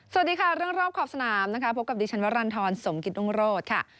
สวัสดีค่ะเรื่องรอบขอบสนามนะคะพบกับดิฉันวรรณฑรสมกิตรุงโรธค่ะ